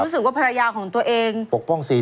คือรู้สึกว่าภรรยาของตัวเองปกป้องสิทธิ์